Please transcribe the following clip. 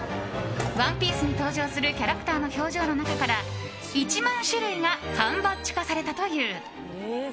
「ＯＮＥＰＩＥＣＥ」に登場するキャラクターの表情の中から１万種類が缶バッジ化されたという。